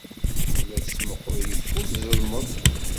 Tella tettmuqqul yeffus, zelmeḍ.